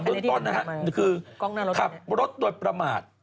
เรื่องต้นนะฮะคือขับรถโดยประมาท